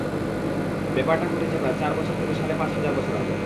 ব্যাপারটা ঘটেছে প্রায় সাড়ে চার থেকে সাড়ে পাঁচ হাজার বছর আগে।